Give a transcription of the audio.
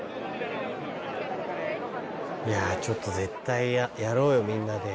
いやちょっと絶対やろうよみんなで。